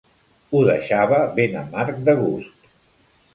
Ho deixava ben amarg de gust.